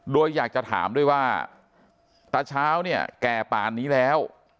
โดยอยากจะถามด้วยว่าตาเช้าเนี่ยแก่ป่านนี้แล้ว